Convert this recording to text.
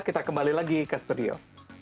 kita kembali lagi ke studio